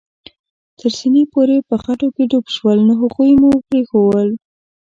تر سېنې پورې په خټو کې ډوب شول، نو هغوی مو پرېښوول.